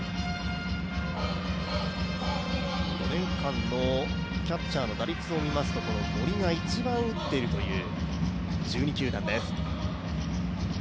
５年間のキャッチャーの打率を見ると、森が一番打っているという。